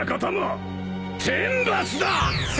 天罰だ！